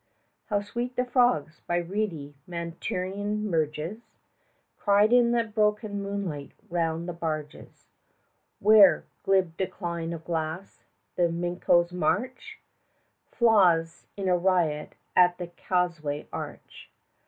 14 How sweet the frogs by reedy Mantuan marges Cried in the broken moonlight round the barges, Where, glib decline of glass, the Mincio's march Flaws in a riot at the Causeway arch!